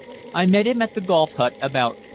I met him at the Golf Hut about 8.30.